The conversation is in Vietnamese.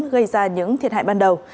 gây ra những thiệt hại ban đầu